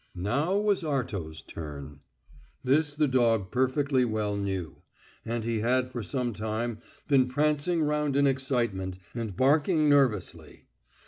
Now was Arto's turn. This the dog perfectly well knew, and he had for some time been prancing round in excitement, and barking nervously.